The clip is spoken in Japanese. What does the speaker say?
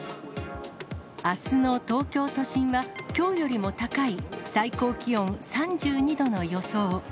あすの東京都心は、きょうよりも高い最高気温３２度の予想。